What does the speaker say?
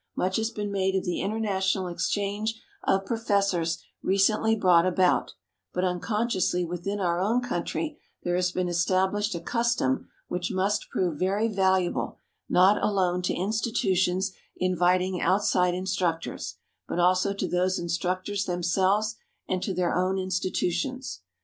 Much has been made of the international exchange of professors recently brought about; but unconsciously within our own country there has been established a custom which must prove very valuable not alone to institutions inviting outside instructors, but also to those instructors themselves, and to their own institutions.